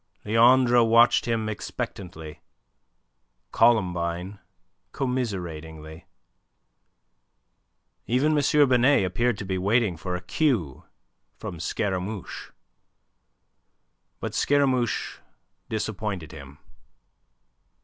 Leandre watched him expectantly, Columbine commiseratingly. Even M. Binet appeared to be waiting for a cue from Scaramouche. But Scaramouche disappointed him.